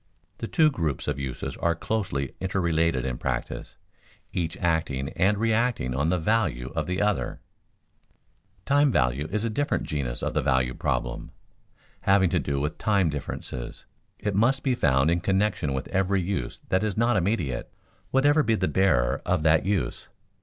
The two groups of uses are closely interrelated in practice, each acting and reacting on the value of the other. Time value is a different genus of the value problem. Having to do with time differences, it must be found in connection with every use that is not immediate, whatever be the bearer of that use.